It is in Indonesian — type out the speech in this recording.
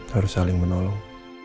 harus saling menolong